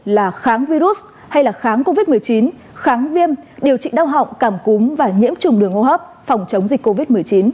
là kháng virus hay là kháng covid một mươi chín kháng viêm điều trị đau họng cảm cúm và nhiễm trùng đường hô hấp phòng chống dịch covid một mươi chín